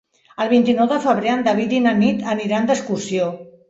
El vint-i-nou de febrer en David i na Nit aniran d'excursió.